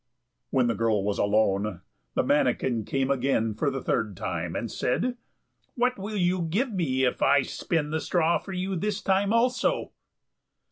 When the girl was alone the manikin came again for the third time, and said, "What will you give me if I spin the straw for you this time also?"